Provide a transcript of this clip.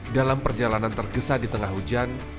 dalam perjalanan tergesa di tengah hujan